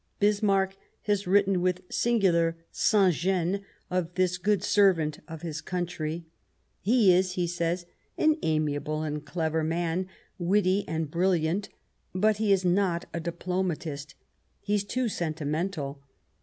Bismarck has written with singular saiis gene of this good servant of his country. " He is," he says, " an amiable and clever man, witty and brilliant ; but he's not a diplomatist ; he's too sentimental.